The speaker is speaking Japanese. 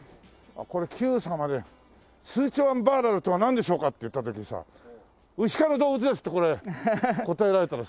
これ『Ｑさま！！』で「スーチョワンバーラルとはなんでしょうか？」って言った時「ウシ科の動物です」ってこれ答えられたらすごいよね。